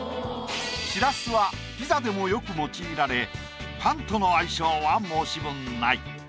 しらすはピザでもよく用いられパンとの相性は申し分ない。